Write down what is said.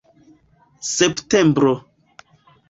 septembro